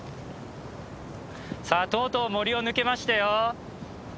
さあとうとう森を抜けましたよ。